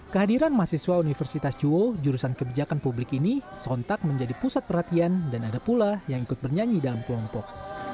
kehadiran mahasiswa universitas chuo jurusan kebijakan publik ini sontak menjadi pusat perhatian dan ada pula yang ikut bernyanyi dalam kelompok